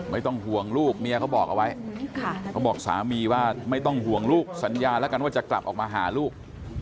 ไม่ต้องห่วงลูกเมียเขาบอกเอาไว้เขาบอกสามีว่าไม่ต้องห่วงลูกสัญญาแล้วกันว่าจะกลับออกมาหาลูก